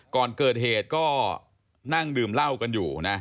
ก่อนเกิดเหตุก็นั่งดื่มเหล้ากันอยู่นะ